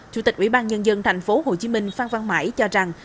chủ tịch ủy ban nhân dân thành phố hồ chí minh phan văn mãi cho rằng